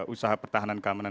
usaha pertahanan dan keamanan